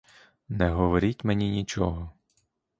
Не говоріть мені нічого!